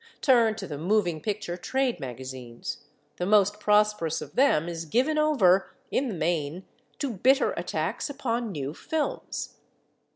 Turn to the moving picture trade magazines: the most prosperous of them is given over, in the main, to bitter attacks upon new films.